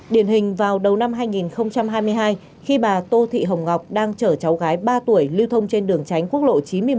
điển hình vào đầu năm hai nghìn hai mươi hai khi bà tô thị hồng ngọc đang chở cháu gái ba tuổi lưu thông trên đường tránh quốc lộ chín mươi một